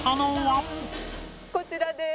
こちらです。